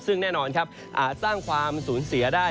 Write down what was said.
ซึ่งแน่นอนครับอาจสร้างความสูญเสียได้